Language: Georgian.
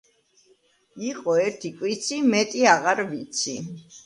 იყო ერთი კვიცი მეტი აღარ ვიცი